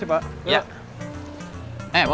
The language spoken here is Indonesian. eh pak wuyah